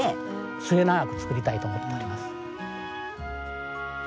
末永く作りたいと思っております。